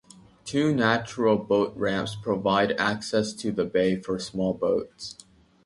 Two natural boat ramps provide access to the bay for small boats.